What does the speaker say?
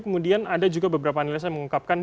kemudian ada juga beberapa analisa yang mengungkapkan